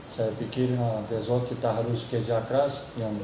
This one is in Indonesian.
saya pikir besok kita harus kerja keras